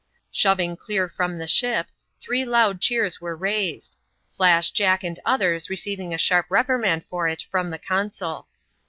Shoving clear from the ship, three loud cheers were raised ; Flash Jack and others receiving a sharp reprimand for it from the consul.